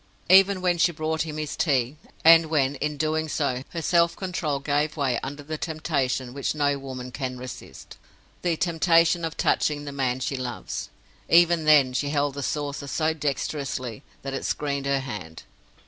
Even when she brought him his tea; and when, in doing so, her self control gave way under the temptation which no woman can resist—the temptation of touching the man she loves—even then, she held the saucer so dexterously that it screened her hand.